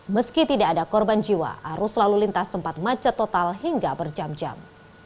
meski tidak ada korban jiwa arus lalu lintas tempat macet total hingga berjam jam